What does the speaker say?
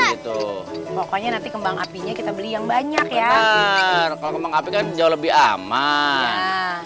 gitu pokoknya nanti kembang apinya kita beli yang banyak ya kalau kembang api kan jauh lebih aman